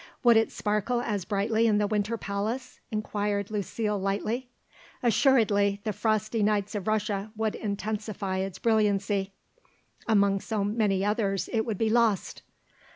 "Would it sparkle as brightly in the Winter Palace?" inquired Lucile lightly. "Assuredly the frosty nights of Russia would intensify its brilliancy." "Among so many others it would be lost."